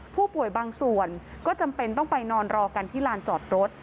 ผู้ป่วยบางส่วนก็จำเป็นต้องไปนอนรอกันที่ลานจอดรถ